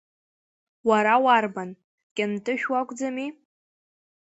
Уара уарбан, Кьынтышә уакәӡами?